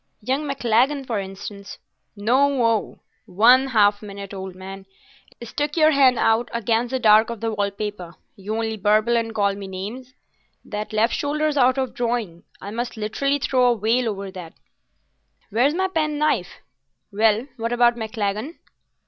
Young Maclagan, for instance——" "No o—one half minute, old man; stick your hand out against the dark of the wall paper—you only burble and call me names. That left shoulder's out of drawing. I must literally throw a veil over that. Where's my pen knife? Well, what about Maclagan?"